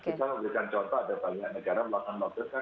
kita memberikan contoh ada banyak negara melakukan lockdown